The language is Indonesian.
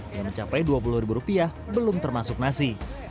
yang mencapai dua puluh ribu rupiah belum termasuk nasi